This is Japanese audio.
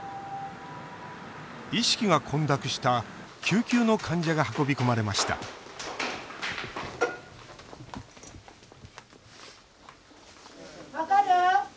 意識が混濁した救急の患者が運び込まれました分かる？